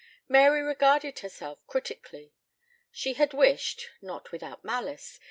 Mary regarded herself critically. She had wished (not without malice!)